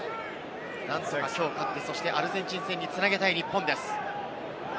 何とかきょう勝って、そしてアルゼンチン戦に繋げたい日本です。